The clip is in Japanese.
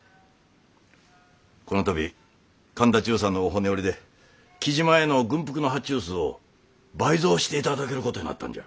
この度神田中佐のお骨折りで雉真への軍服の発注数を倍増していただけることになったんじゃ。